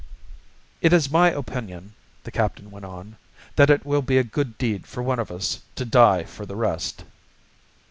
"It is my opinion," the captain went on, "that it will be a good deed for one of us to die for the rest."